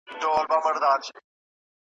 تاسي ځئ ما مي قسمت ته ځان سپارلی `